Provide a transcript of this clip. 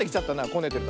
こねてる。